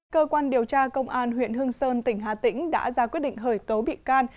cơ quan điều tra công an huyện hương sơn tỉnh hà tĩnh đã ra quyết định hởi tố bị can